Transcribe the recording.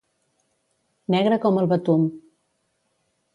Negre com el betum.